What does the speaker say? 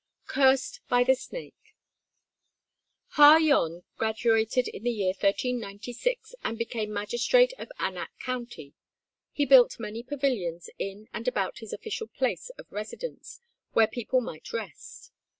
XII CURSED BY THE SNAKE [Ha Yon graduated in the year 1396, and became magistrate of Anak County. He built many pavilions in and about his official place of residence, where people might rest.